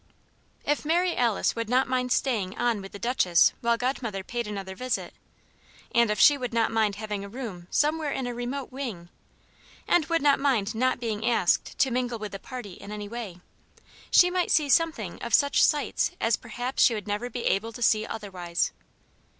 If Mary Alice would not mind staying on with the Duchess while Godmother paid another visit; and if she would not mind having a room somewhere in a remote wing; and would not mind not being asked to mingle with the party in any way, she might see something of such sights as perhaps she would never be able to see otherwise.